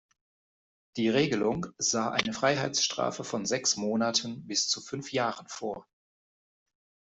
Die Regelung sah eine Freiheitsstrafe von sechs Monaten bis zu fünf Jahren vor.